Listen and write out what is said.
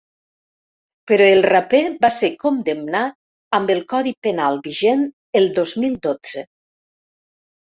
Però el raper va ser condemnat amb el codi penal vigent el dos mil dotze.